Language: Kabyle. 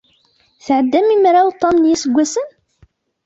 Tɛeddam i mraw tam n yiseggasen?